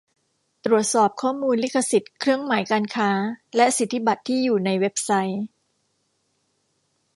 ตรวจสอบข้อมูลลิขสิทธิ์เครื่องหมายการค้าและสิทธิบัตรที่อยู่ในเว็บไซต์